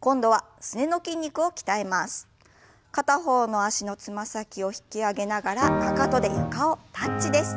片方の脚のつま先を引き上げながらかかとで床をタッチです。